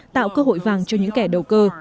tạo cơ hội vàng cho những kẻ đầu cơ